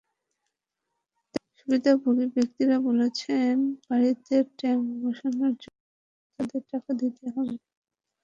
সুবিধাভোগী ব্যক্তিরা বলছেন, বাড়িতে ট্যাংক বসানোর জন্য তাঁদের টাকা দিতে হয়েছে।